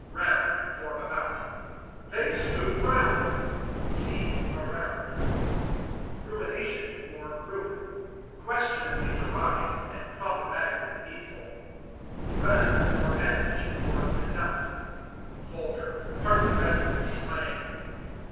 Round for About. "They stood round." See Around. Ruination for Ruin. Questionably derived and problematically needful. Run for Manage, or Conduct. Vulgar hardly better than slang.